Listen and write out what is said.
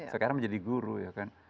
sekarang menjadi guru ya kan